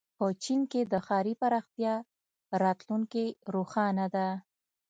په چین کې د ښاري پراختیا راتلونکې روښانه ده.